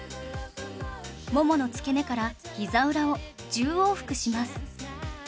ももの付け根からひざ裏を１０往復します